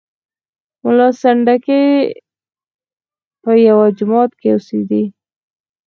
ملا سنډکی په یوه جومات کې اوسېدی.